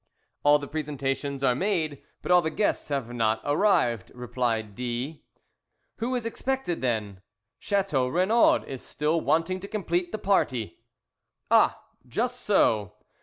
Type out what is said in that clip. "All the presentations are made, but all the guests have not arrived," replied D . "Who is expected then?" "Chateau Renaud is still wanting to complete the party." "Ah, just so.